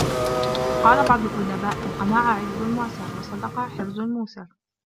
وَقَالَ بَعْضُ الْأُدَبَاءِ الْقَنَاعَةُ عِزُّ الْمُعْسِرِ ، وَالصَّدَقَةُ حِرْزُ الْمُوسِرِ